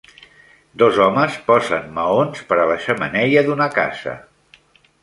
Dos homes posen maons per a la xemeneia d'una casa.